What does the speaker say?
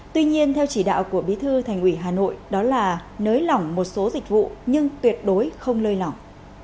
tuy nhiên theo chỉ đạo của bí thư thành ủy hà nội đó là nới lỏng một số dịch vụ nhưng tuyệt đối không lơi lỏng